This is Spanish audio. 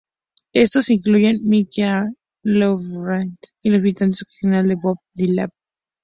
Estos incluyen Mick Jagger, Lou Reed, Bootsy Collins, y el visitante ocasional Bob Dylan.